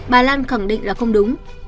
bà lan khẳng định là không đúng